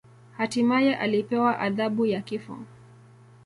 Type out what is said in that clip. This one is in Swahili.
Hatimaye alipewa adhabu ya kifo.